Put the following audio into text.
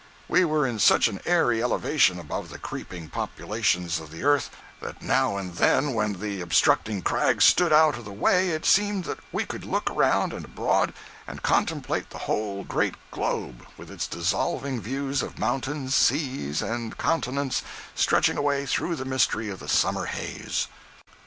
We were in such an airy elevation above the creeping populations of the earth, that now and then when the obstructing crags stood out of the way it seemed that we could look around and abroad and contemplate the whole great globe, with its dissolving views of mountains, seas and continents stretching away through the mystery of the summer haze.